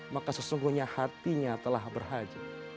maka sesungguhnya hatinya telah berhaji